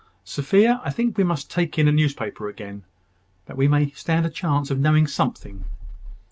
Sophia, I think we must take in a newspaper again, that we may stand a chance of knowing something."